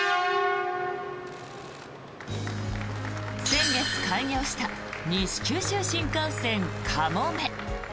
先月開業した西九州新幹線かもめ。